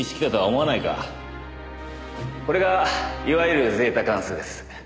これがいわゆるゼータ関数です。